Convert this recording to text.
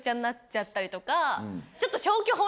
ちょっと。